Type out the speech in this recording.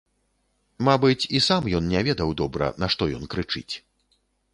Мабыць, і сам ён не ведаў добра, нашто ён крычыць.